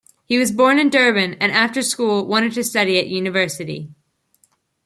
He was born in Durban and, after school wanted to study at University.